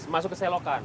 masuk ke selokan